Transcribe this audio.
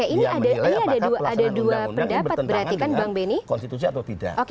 ini berarti ada dua pendapat yang bertentangan dengan konstitusi atau tidak